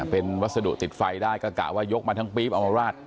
เป็นวัสดุติดไฟได้ก็กะว่ายกมาทั้งปี๊บเอามาราด